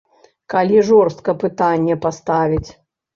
Калі жорстка пытанне паставіць.